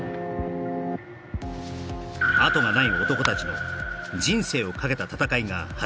あとがない男たちの人生をかけた戦いが始まった